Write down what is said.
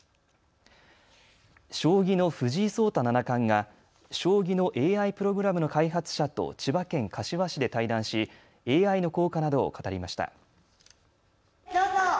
将棋の藤井聡太七冠が将棋のＡＩプログラムの開発者と千葉県柏市で対談しＡＩの効果などを語りました。